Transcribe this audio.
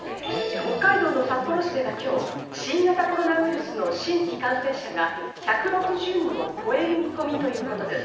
北海道の札幌市では今日、新型コロナウイルスの新規感染者が１６０人を超える見込みということです。